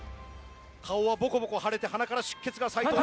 顔はボコボコ腫れて鼻から出血が斎藤裕。